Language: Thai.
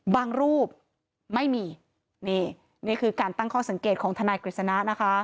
รูปไม่มีนี่นี่คือการตั้งข้อสังเกตของทนายกฤษณะนะคะ